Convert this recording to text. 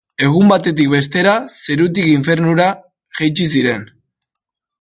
Egun batetik bestera, zerutik infernura jaitsi ziren.